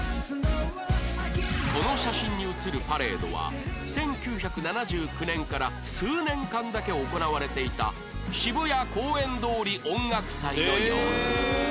この写真に写るパレードは１９７９年から数年間だけ行われていた渋谷公園通り音楽祭の様子